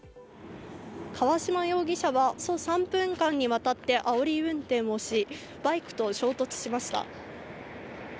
川島容疑者はおよそ３分間にわたってあおり運転をし、バイクと衝突しました。